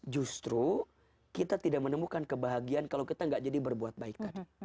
justru kita tidak menemukan kebahagiaan kalau kita tidak jadi berbuat baik